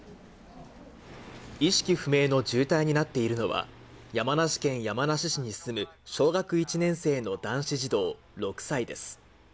意識不明の重体になっているのは、山梨県山梨市に住む小学１年生の男子児童６歳です。